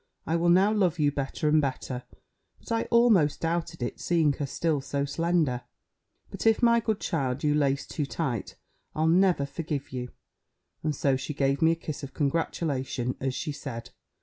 I will now love you better and better: but I almost doubted it, seeing her still so slender. But if, my good child, you lace too tight, I'll never forgive you." And so she gave me a kiss of congratulation, as she said.